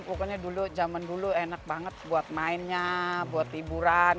pokoknya dulu zaman dulu enak banget buat mainnya buat hiburan